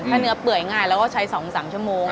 ถ้าเนื้อเปื่อยง่ายเราก็ใช้๒๓ชั่วโมง